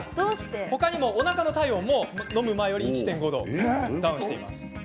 他にもおなかの体温も飲む前より１．５度ダウンしています。